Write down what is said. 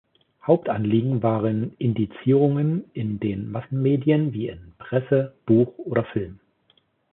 Hauptanliegen waren Indizierungen in den Massenmedien wie in Presse, Buch oder Film.